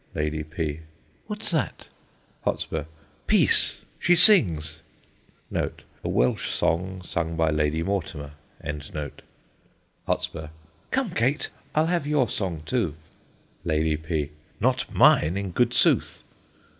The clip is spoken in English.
Lady P. What's that? Hot. Peace! she sings. [A Welsh song sung by LADY MORTIMER. Hot. Come, Kate, I'll have your song too. Lady P. Not mine, in good sooth.